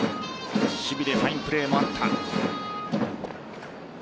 守備でファインプレーもあった。